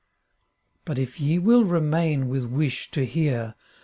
But if ye will remain with wish to hear.